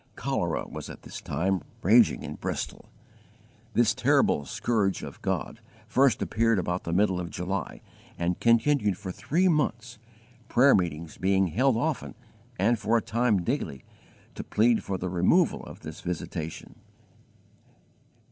Cholera was at this time raging in Bristol. This terrible 'scourge of God' first appeared about the middle of July and continued for three months, prayer meetings being held often, and for a time daily, to plead for the removal of this visitation.